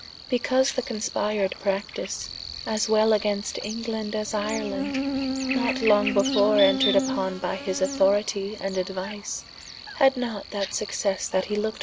because the conspired practise, as wel against England as Ireland, not long before entred vpon by his authoritie and aduise, had not that successe that he looked for.